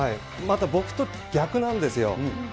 また僕と逆なんですよ。